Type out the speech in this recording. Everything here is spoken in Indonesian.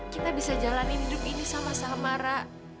kita bisa jalanin hidup ini sama sama ra